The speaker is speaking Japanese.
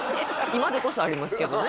今でこそありますけどね